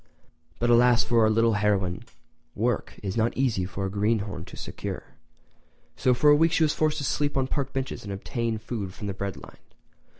But alas for our little heroine—work is not easy for a greenhorn to secure, so for a week she was forced to sleep on park benches and obtain food from the bread line.